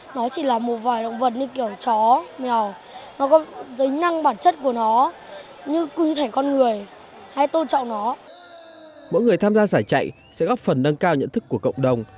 mỗi người tham gia giải chạy sẽ góp phần nâng cao nhận thức của cộng đồng